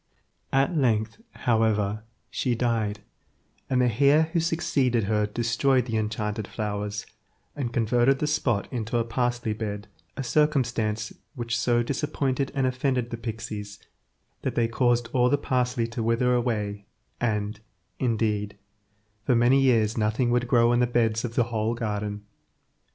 At length, however, she died, and the heir who succeeded her destroyed the enchanted flowers, and converted the spot into a parsley–bed, a circumstance which so disappointed and offended the pixies, that they caused all the parsley to wither away, and, indeed, for many years nothing would grow in the beds of the whole garden.